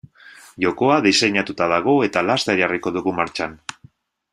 Jokoa diseinatuta dago eta laster jarriko dugu martxan.